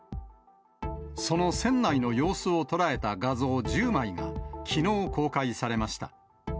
その船内の様子を捉えた画像１０枚がきのう公開されました。